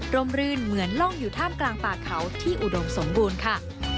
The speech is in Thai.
มรื่นเหมือนล่องอยู่ท่ามกลางป่าเขาที่อุดมสมบูรณ์ค่ะ